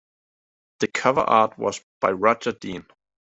The cover art was by Roger Dean.